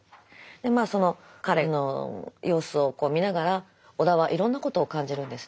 まあその彼の様子を見ながら尾田はいろんなことを感じるんですね。